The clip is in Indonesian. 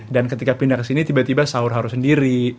dan ketika pindah kesini tiba tiba sahur harus sendiri